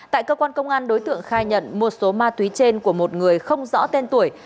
tại cơ quan công an đối tượng khai nhận một số ma túy trên của một người không rõ tên tuổi